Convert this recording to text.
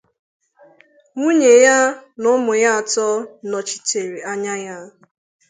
Nwunye ya na ụmụ ya atọ nọchitere anya ya.